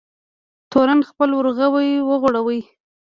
تورن خپل ورغوی وغوړوی.